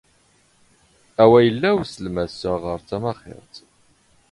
ⴰⵡⴰ ⵉⵍⵍⴰ ⵓⵙⵍⵎ ⴰⵙⵙ ⴰ ⴰ ⵖⴰⵔ ⵜⴰⵎⴰⵅⵉⵔⵜ.